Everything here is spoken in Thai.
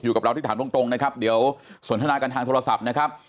กับเราที่ถามตรงนะครับเดี๋ยวสนทนากันทางโทรศัพท์นะครับ